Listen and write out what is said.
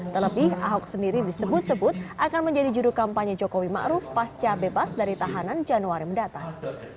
tetapi ahok sendiri disebut sebut akan menjadi juru kampanye jokowi ma'ruf pasca bebas dari tahanan januari mendatang